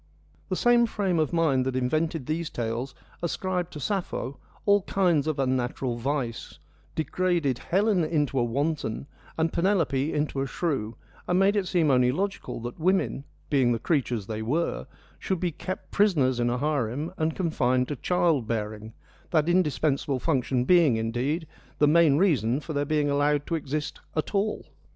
The same frame of mind that invented these tales ascribed to Sappho all kinds of unnatural vice, degraded Helen into a wanton, and Penelope into a shrew, and made it seem only logical that women, being the creatures they were, should be kept prisoners in a harem and confined to child bearing — that indispensable function being, indeed, the main reason for their being allowed to exist at all.